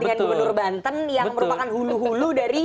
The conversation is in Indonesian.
dengan gubernur banten yang merupakan hulu hulu dari